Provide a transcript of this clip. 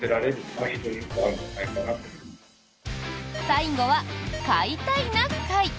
最後は「買いたい！な会」。